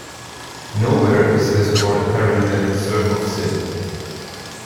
Nowhere is this more apparent than in Surf Of Syn.